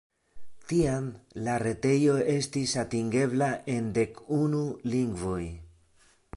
Tiam la retejo estis atingebla en dek unu lingvoj.